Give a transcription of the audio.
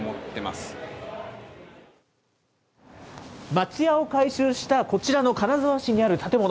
町屋を改修したこちらの金沢市にある建物。